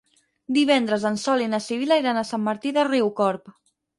Divendres en Sol i na Sibil·la iran a Sant Martí de Riucorb.